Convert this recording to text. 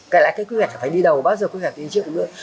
cái quy hoạch phải đi đầu bao giờ quy hoạch đi trước cũng được